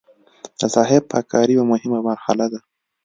د ساحې پاک کاري یوه مهمه مرحله ده